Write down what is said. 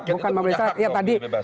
bukan rakyat itu punya hak